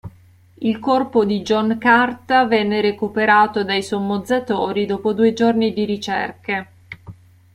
Il corpo di John Carta venne recuperato dai sommozzatori dopo due giorni di ricerche.